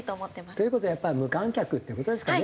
という事はやっぱり無観客って事ですかね？